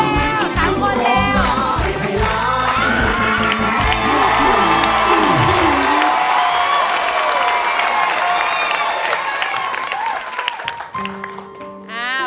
อย่างน้อยแล้ว